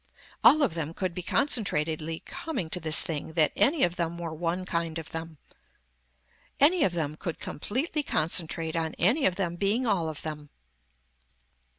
All of them could be concentratedly coming to this thing that any of them were one kind of them. Any of them could completely concentrate on any of them being all of them.